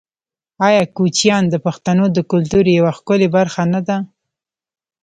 آیا کوچیان د پښتنو د کلتور یوه ښکلې برخه نه ده؟